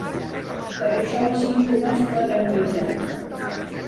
Per això els símptomes poden variar.